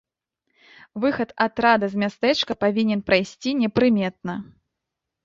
Выхад атрада з мястэчка павінен прайсці непрыметна.